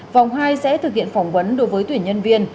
vòng hai sẽ thực hiện phỏng vấn đối với tuyển nhân viên